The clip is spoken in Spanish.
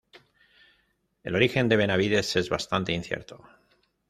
El origen de Benavides es bastante incierto.